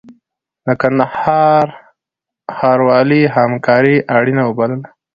د کندهار ښاروالۍ همکاري اړینه وبلله.